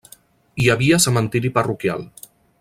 Hi havia cementiri parroquial.